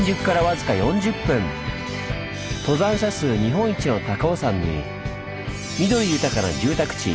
登山者数日本一の高尾山に緑豊かな住宅地。